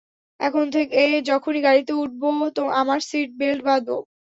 এখন থেকে যখনই গাড়িতে উঠবো, আমার সিট বেল্ট বাঁধবো।